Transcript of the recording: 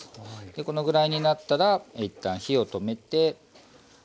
このぐらいになったら一旦火を止めて。